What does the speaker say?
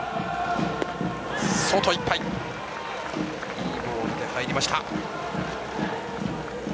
いいボールで入りました。